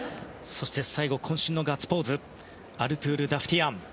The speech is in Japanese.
そして最後、渾身のガッツポーズアルトゥール・ダフティアン。